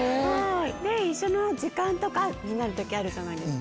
一緒の時間とかになる時あるじゃないですか。